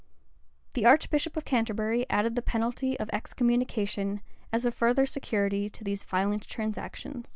The archbishop of Canterbury added the penalty of excommunication, as a further security to these violent transactions.